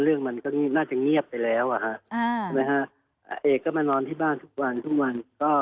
เรื่องมันน่าจะเงียบไปแล้วนะฮะเอกก็มานอนที่บ้านทุกวันทุกวัน